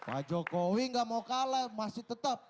pak jokowi nggak mau kalah masih tetap